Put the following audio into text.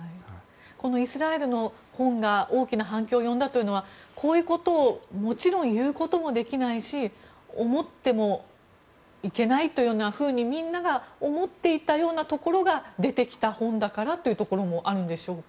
イスラエルの本が大きな反響を呼んだのはこういうことをもちろん言うこともできないし思ってもいけないというようにみんなが思っていたところが出てきた本だからというところもあるんですか？